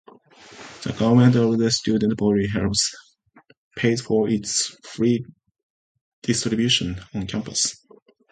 The Government of the Student Body helps pay for its free distribution on campus.